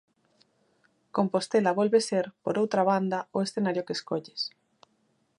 Compostela volve ser, por outra banda, o escenario que escolles.